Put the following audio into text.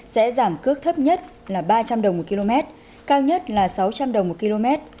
sẽ giảm cước thấp nhất là ba trăm linh đồng một km cao nhất là sáu trăm linh đồng một km